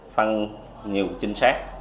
phân nhiều chính xác